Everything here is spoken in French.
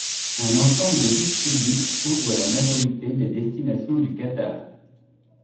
Un ensemble de bus publics couvrent la majorité des destinations du Qatar.